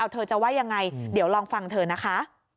เธอจะว่ายังไงเดี๋ยวลองฟังเธอนะคะ